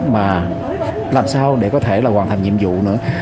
mà làm sao để có thể là hoàn thành nhiệm vụ nữa